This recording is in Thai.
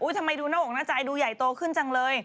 ทำไมดูหน้าอกหน้าใจดูใหญ่โตขึ้นจังเลย